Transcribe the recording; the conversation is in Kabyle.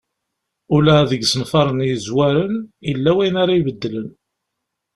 Ula deg isenfaren yezwaren yella wayen ara ibeddlen.